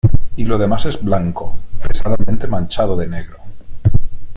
Y lo demás es blanco pesadamente manchado de negro.